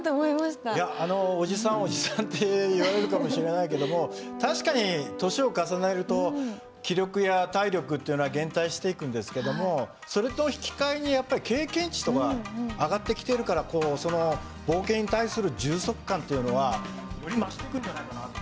いやあのおじさんおじさんって言われるかもしれないけども確かに年を重ねると気力や体力っていうのは減退していくんですけどもそれと引き換えにやっぱり経験値とか上がってきてるからこうその冒険に対する充足感っていうのはより増していくんじゃないかなと。